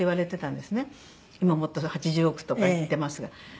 今もっと８０億とかいってますが。